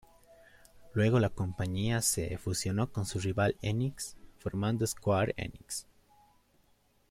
Luego la compañía se fusionó con su rival Enix, formando Square Enix.